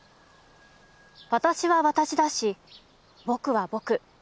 私は私だし僕は僕。